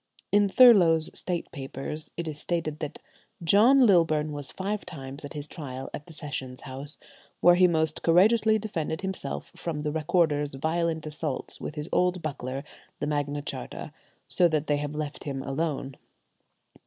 In Thurloe's State Papers it is stated that "John Lilburne was five times at his trial at the Sessions House, where he most courageously defended himself from the recorder's violent assaults with his old buckler, the Magna Charta, so that they have let him alone."